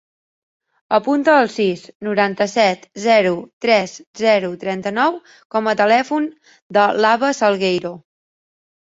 Apunta el sis, noranta-set, zero, tres, zero, trenta-nou com a telèfon de l'Abba Salgueiro.